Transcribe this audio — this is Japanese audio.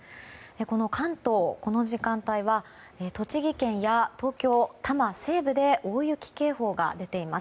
この関東、この時間帯は栃木県や東京多摩西部で大雪警報が出ています。